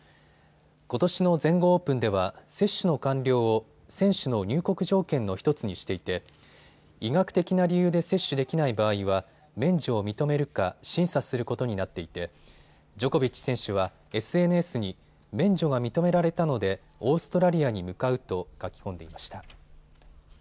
ことしの全豪オープンでは接種の完了を選手の入国条件の１つにしていて医学的な理由で接種できない場合は免除を認めるか審査することになっていてジョコビッチ選手はＳＮＳに免除が認められたのでオーストラリアに向かうと書き込んでいました。